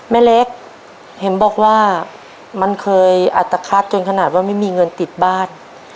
แม่เล็กเห็นบอกว่ามันเคยอัตภัทจนขนาดว่าไม่มีเงินติดบ้าน